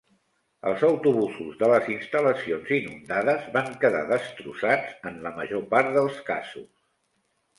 Els autobusos de les instal·lacions inundades van quedar destrossats en la major part dels casos.